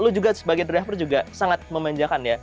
lu juga sebagai driver juga sangat memanjakan ya